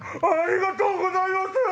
ありがとうございます！